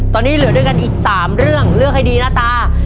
ตอนนี้เหลือด้วยกันอีก๓เรื่องเลือกให้ดีนะตา